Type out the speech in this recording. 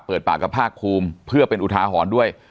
เปิดปากกับภาคภูมิเพื่อเป็นอุทาหรณ์ด้วย